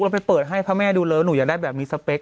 ไปเปิดให้พระแม่ดูแล้วหนูอยากได้แบบมีสเปค